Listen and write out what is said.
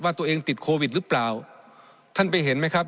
ตัวเองติดโควิดหรือเปล่าท่านไปเห็นไหมครับ